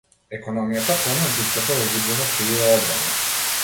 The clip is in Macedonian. Економијата тоне, дупката во буџетот ќе биде огромна